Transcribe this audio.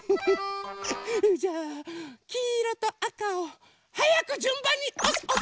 それじゃあきいろとあかをはやくじゅんばんにおすおす。